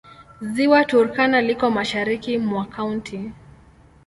Ziwa Turkana liko mashariki mwa kaunti.